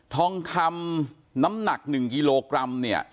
ทองคำหน้าหนักหนึ่งกิโลกรัม